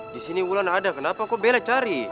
di sini wulan ada kenapa kok bela cari